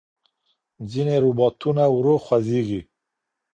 ځینې روباټونه ورو خوځېږي.